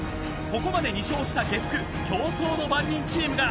［ここまで２勝した月９競争の番人チームが］